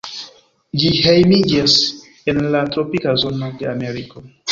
Ĝi hejmiĝas en la tropika zono de Ameriko.